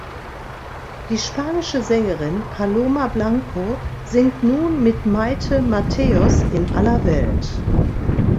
Die spanische Sängerin Paloma Blanco singt nun mit Mayte Mateos in aller Welt.